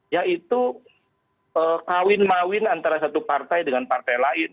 yaitu kawin mawin antara satu partai dengan partai lain